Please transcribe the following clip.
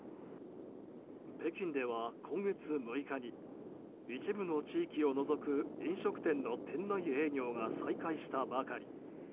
北京では今月６日に一部の地域を除く飲食店の店内営業が再開したばかり。